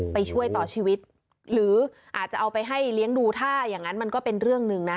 ไปช่วยต่อชีวิตหรืออาจจะเอาไปให้เลี้ยงดูถ้าอย่างนั้นมันก็เป็นเรื่องหนึ่งนะ